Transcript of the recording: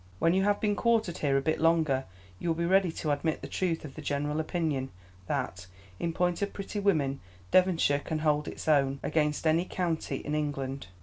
When you have been quartered here a bit longer you will be ready to admit the truth of the general opinion, that, in point of pretty women, Devonshire can hold its own against any county in England.